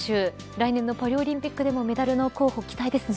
来年のパリオリンピックでもメダルの候補、期待ですね。